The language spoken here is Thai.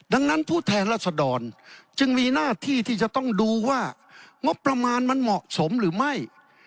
และสะดอนจึงมีหน้าที่ที่จะต้องดูว่างบประมาณมันเหมาะสมหรือไม่